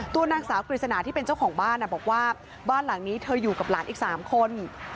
ตัวนางสาวกฤษณาที่เป็นเจ้าของบ้านบอกว่าบ้านหลังนี้เธออยู่กับหลานอีก๓คน